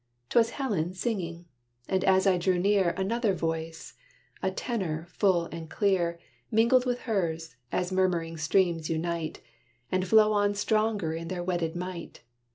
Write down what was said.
'T was Helen singing: and, as I drew near, Another voice, a tenor full and clear, Mingled with hers, as murmuring streams unite, And flow on stronger in their wedded might.